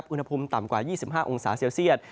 อุณหภูมิต่ำกว่า๒๕องศาเซลเซียต